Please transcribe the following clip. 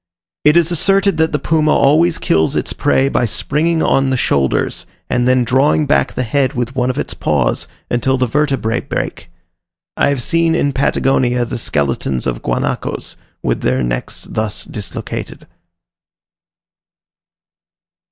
It is asserted that the puma always kills its prey by springing on the shoulders, and then drawing back the head with one of its paws, until the vertebrae break: I have seen in Patagonia the skeletons of guanacos, with their necks thus dislocated.